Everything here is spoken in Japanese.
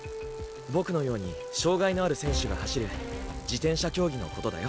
ボクのように障がいのある選手が走る自転車競技のことだよ。